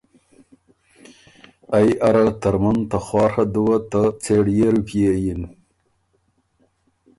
ائ اره ترمُن ته خواڒه دُوه ته څېړيې روپئے یِن،